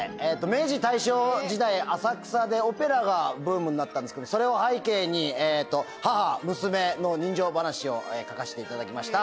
明治大正時代浅草でオペラがブームになったんですけどそれを背景に母娘の人情話を書かせていただきました。